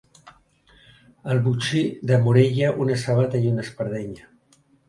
El botxí de Morella, una sabata i una espardenya.